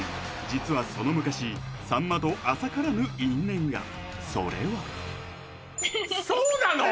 実はその昔さんまと浅からぬ因縁がそれはそうなの？